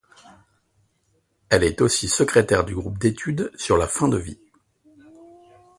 Elle est aussi secrétaire du groupe d'étude sur la fin de vie.